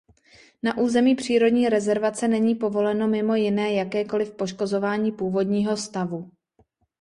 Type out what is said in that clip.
Na území přírodní rezervace není povoleno mimo jiné jakékoliv poškozování původního stavu.